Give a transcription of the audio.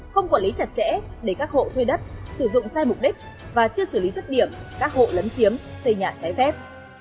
không quản lý chặt chẽ để các hộ thuê đất sử dụng sai mục đích và chưa xử lý dứt điểm các hộ lấn chiếm xây nhà trái phép